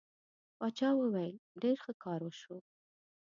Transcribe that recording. باچا وویل ډېر ښه کار وشو.